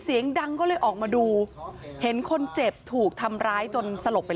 เสียงดังก็เลยออกมาดูเห็นคนเจ็บถูกทำร้ายจนสลบไป